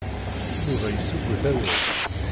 Yuba yessuggut awal.